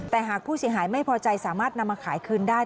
แต่หากผู้เสียหายไม่พอใจสามารถนำมาขายคืนได้